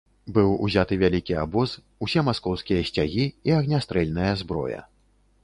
Быў узяты вялікі абоз, усе маскоўскія сцягі і агнястрэльная зброя.